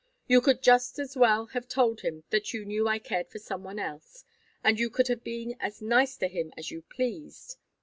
You could just as well have told him that you knew I cared for some one else, and you could have been as nice to him as you pleased.